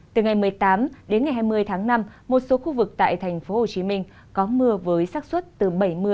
từ ngày một mươi tám đến ngày hai mươi tháng năm một số khu vực tại tp hcm có mưa với sắc xuất từ bảy mươi bảy mươi năm